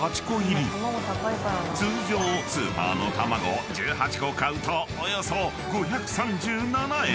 ［通常スーパーのたまごを１８個買うとおよそ５３７円］